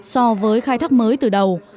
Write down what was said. so với khai thác mới từ đầu